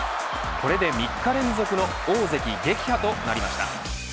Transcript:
これで３日連続の大関撃破となりました。